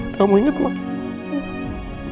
kamu ingat mak